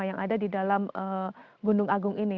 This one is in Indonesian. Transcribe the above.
yang ada di dalam gunung agung ini